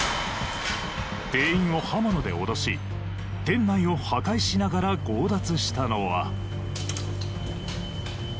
店員を刃物で脅し店内を破壊しながら強奪したのは。